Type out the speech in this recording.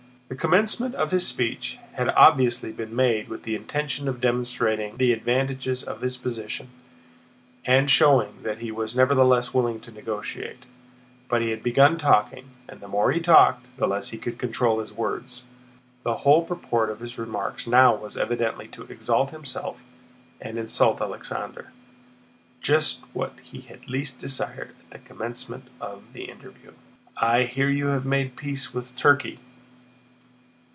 The commencement of his speech had obviously been made with the intention of demonstrating the advantages of his position and showing that he was nevertheless willing to negotiate. But he had begun talking, and the more he talked the less could he control his words. The whole purport of his remarks now was evidently to exalt himself and insult Alexander—just what he had least desired at the commencement of the interview. "I hear you have made peace with Turkey?"